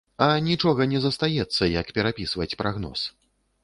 А нічога не застаецца, як перапісваць прагноз.